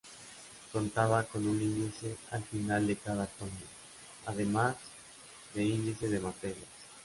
Contaba con un índice al final de cada tomo, además de índice de materias.